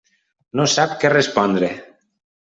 No sap què respondre.